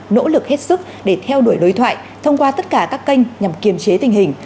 nỗ lực hết sức để theo đuổi đối thoại thông qua tất cả các kênh nhằm kiềm chế tình hình